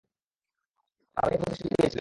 আমি যে প্রতিশ্রুতি দিয়েছিলাম।